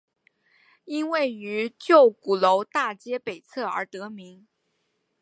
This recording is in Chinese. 因位于旧鼓楼大街北侧而得名。